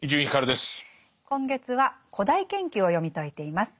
今月は「古代研究」を読み解いています。